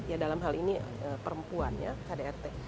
ya dalam hal ini perempuan ya kdrt